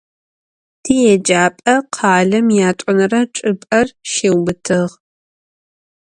Tiêcap'e khalem yat'onere çç'ıp'er şiubıtığ.